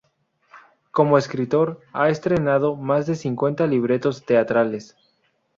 Como escritor, ha estrenado más de cincuenta libretos teatrales.